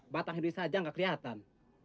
batang hidung saja enggak kelihatan